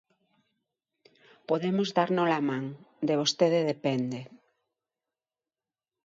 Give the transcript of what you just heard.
Podemos darnos a man, de vostede depende.